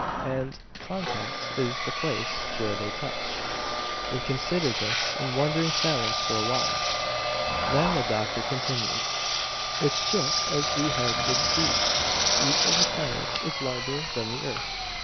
And the contact is the place where they touch!" They considered this in wondering silence for a while. Then the doctor continued: "It's just as we had deduced; each of the planets is larger than the earth.